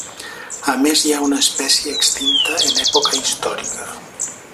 A més hi ha una espècie extinta en època històrica.